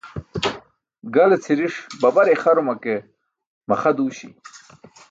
Gale cʰiriṣ babar ixaruma ke maxa duuśi.